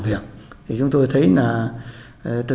và ảnh hưởng lớn nhất